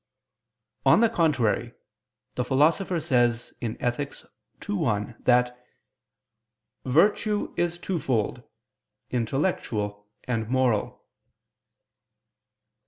On the contrary, The Philosopher says (Ethic. ii, 1) that "virtue is twofold, intellectual and moral."